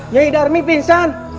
nyi darmi pinsan